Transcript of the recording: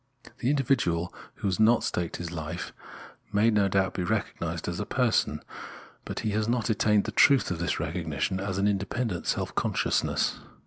The individual, who ha.s not staked his 'ife, may, no doubt, be recognised as 'a Person; but he Jias not attained the truth of this recognition as an independent self consciousness.